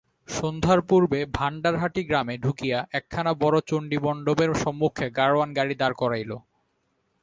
সন্ধ্যার পূর্বে ভাণ্ডারহাটি গ্রামে ঢুকিয়া একখানা বড় চণ্ডীমণ্ডপের সম্মুখে গাড়োয়ান গাড়ী দাঁড় করাইল।